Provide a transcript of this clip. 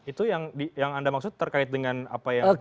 itu yang anda maksud terkait dengan apa yang